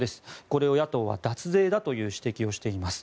これを野党は脱税だという指摘をしています。